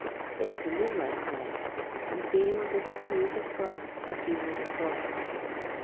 It was a moonlight night and the bay was as smooth as glass as he rowed across.